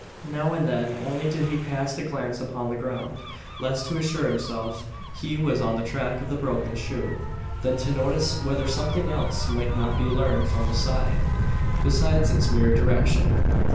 Now and then only did he cast a glance upon the ground less to assure himself he was on the track of the broken shoe, than to notice whether something else might not be learnt from the sign, besides its mere direction.